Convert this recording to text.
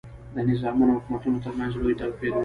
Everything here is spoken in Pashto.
د نظامونو او حکومتونو ترمنځ لوی توپیر وي.